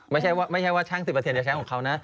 ไม่ใช่ว่าช่าง๑๐จะใช้ของเขานะ